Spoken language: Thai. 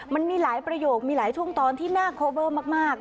มันมีหลายประโยคมีหลายช่วงตอนที่น่าโคเบอร์มาก